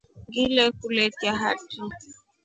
Ngilekuvetia hatri.